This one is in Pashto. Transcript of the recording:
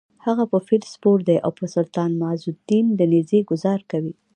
هغه په فیل سپور دی او په سلطان معزالدین د نېزې ګوزار کوي: